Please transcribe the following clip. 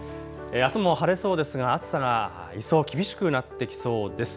あすも晴れそうですが暑さが一層、厳しくなってきそうです。